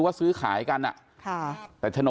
ขอไปอยู่คนหนึ่งแล้วนะ